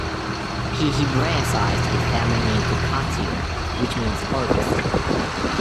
He hebraicized his family name to Katzir, which means 'harvest'.